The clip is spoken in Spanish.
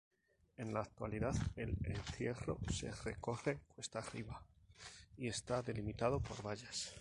En la actualidad el encierro se recorre cuesta arriba y está delimitado por vallas.